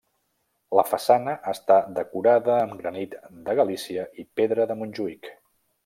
La façana està decorada amb granit de Galícia i pedra de Montjuïc.